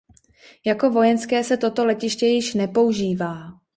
Jako vojenské se toto letiště již nepoužívá.